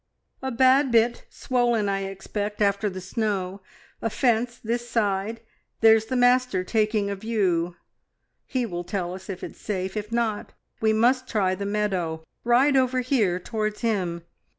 "A bad bit, swollen, I expect, after the snow. A fence this side. There's the Master taking a view. He will tell us if it's safe, if not, we must try the meadow. Ride over here towards him."